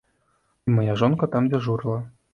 І мая жонка там дзяжурыла.